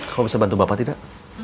kamu bisa bantu bapak tidak